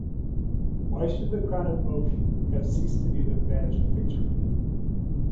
Why should the crown of oak have ceased to be the badge of victory?